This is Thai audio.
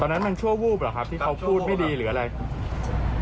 นั้นมันชั่ววูบเหรอครับที่เขาพูดไม่ดีหรืออะไร